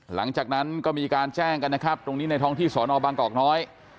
หลังจากนั้นก็มีการแจ้งกันนะครับตรงนี้ในท้องที่สอนอบางกอกน้อย